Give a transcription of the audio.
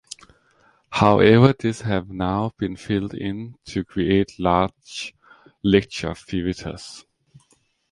However, these have now been filled in to create large lecture theatres.